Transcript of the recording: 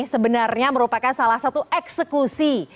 sebenarnya merupakan salah satu eksekusi